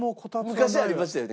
昔ありましたよね？